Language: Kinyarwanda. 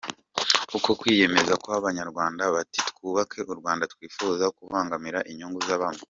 Uko kwiyemeza kw’abanyarwanda, bati: “Twubake u Rwanda twifuza” kubangamira inyungu za bamwe.